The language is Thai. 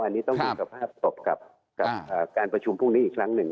อันนี้ต้องดูสภาพศพกับการประชุมพรุ่งนี้อีกครั้งหนึ่ง